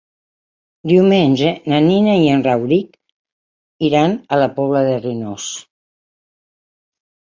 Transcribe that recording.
Diumenge na Nina i en Rauric iran a la Pobla d'Arenós.